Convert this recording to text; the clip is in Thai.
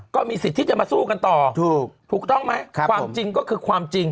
ก็มีสิทธิ์ที่จะมาสู้กันต่อถูกต้องไหมความจริงก็คือความจริง